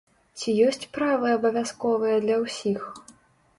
Ці ёсць правы абавязковыя для ўсіх?